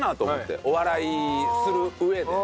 お笑いする上で。